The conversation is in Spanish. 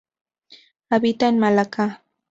Habita en Malaca.